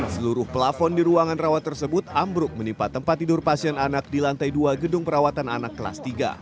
seluruh pelafon di ruangan rawat tersebut ambruk menimpa tempat tidur pasien anak di lantai dua gedung perawatan anak kelas tiga